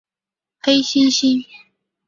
黑猩猩。